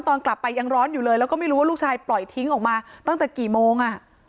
ตอนกลับไปยังร้อนอยู่เลยแล้วก็ไม่รู้ว่าลูกชายปล่อยทิ้งออกมาตั้งแต่กี่โมง